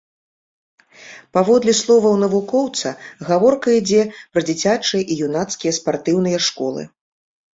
Паводле словаў навукоўца, гаворка ідзе пра дзіцячыя і юнацкія спартыўныя школы.